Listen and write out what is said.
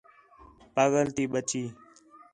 پاڳل تی ٻچّی